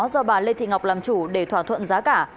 do bà lê thị ngọc làm chủ để thỏa thuận giá cả